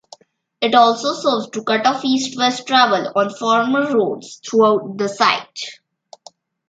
It also serves to cut off east-west travel on former roads through the site.